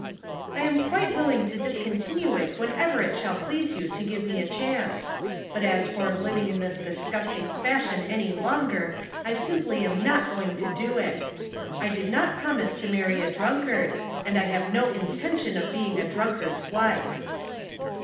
"I am quite willing to discontinue it when ever it shall please you to give me a chance ; but as for living in this disgusting fashion any longer I simply am not going to do it. I did not promise to marry a drunkard, and [ have no intention of being a drunkard's wife."